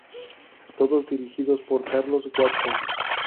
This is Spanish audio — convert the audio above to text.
Todos dirigidos por Carlos Watson.